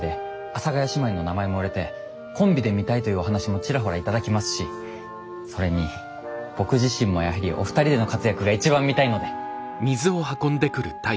阿佐ヶ谷姉妹の名前も売れてコンビで見たいというお話もちらほら頂きますしそれに僕自身もやはりお二人での活躍が一番見たいので。